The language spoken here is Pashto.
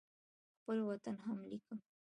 خپل وطن هم لیکم.